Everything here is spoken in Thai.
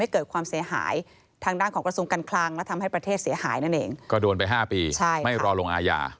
ก็โดนไป๕ปีไม่รอลงอาญา